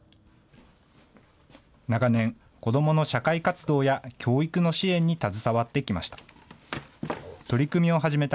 長年、子どもの社会活動や教育の支援に携わってきました。